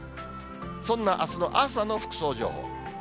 そんなあすの朝の服装情報。